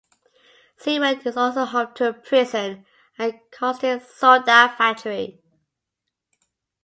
Ziway is also home to a prison and a caustic soda factory.